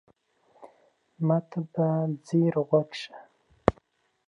ما ته په ځیر غوږ شه !